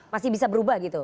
masih bisa berubah gitu